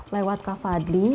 lewat kak fadli